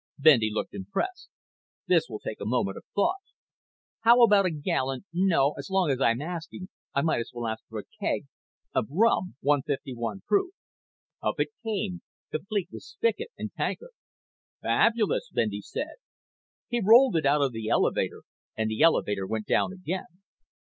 Bendy looked impressed. "This will take a moment of thought. How about a gallon no, as long as I'm asking I might as well ask for a keg of rum, 151 proof." Up it came, complete with spigot and tankard. "Fabulous!" Bendy said. He rolled it out of the elevator and the elevator went down again.